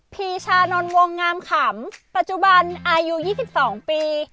พีชานนท์วงงามขำปัจจุบันอายุยี่สิบสองปี